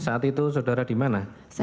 saat itu saudara di mana